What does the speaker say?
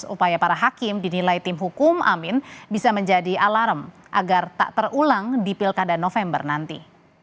upaya para hakim dinilai tim hukum amin bisa menjadi alarm agar tak terulang di pilkada november nanti